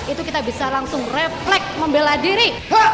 itu kita bisa langsung refleks membela diri